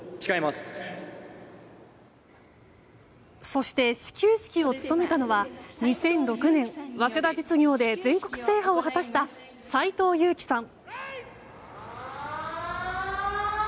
そして始球式を務めたのは２００６年、早稲田実業で全国制覇を果たした斎藤佑樹さん。